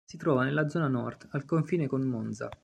Si trova nella zona nord, al confine con Monza.